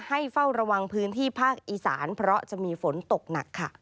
เฝ้าระวังพื้นที่ภาคอีสานเพราะจะมีฝนตกหนักค่ะ